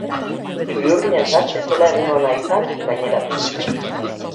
Txuri-urdinentzat ez zela egun ona izan gaineratu du.